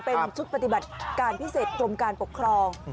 เป็นชุดปฏิบัติการพิเศษกรมการปกครอง